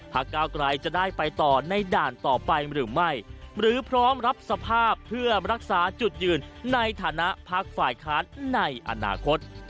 ก้าวกลายจะได้ไปต่อในด่านต่อไปหรือไม่หรือพร้อมรับสภาพเพื่อรักษาจุดยืนในฐานะพักฝ่ายค้านในอนาคต